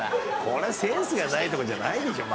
これセンスがないとかじゃないでしょ